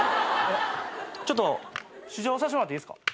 ちょっと試乗させてもらっていいっすか？